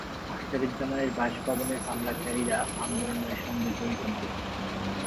আখতারুজ্জামানের বাসভবনে হামলাকারীরা আন্দোলনের সঙ্গে জড়িত নন।